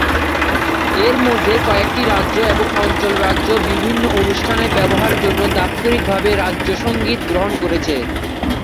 এর মধ্যে কয়েকটি রাজ্য এবং অঞ্চল রাজ্য বিভিন্ন অনুষ্ঠানে ব্যবহারের জন্য দাপ্তরিকভাবে রাজ্য সংগীত গ্রহণ করেছে।